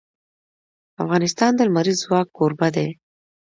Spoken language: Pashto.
افغانستان د لمریز ځواک کوربه دی.